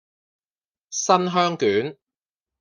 新香卷